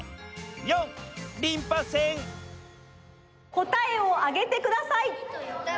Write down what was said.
こたえをあげてください！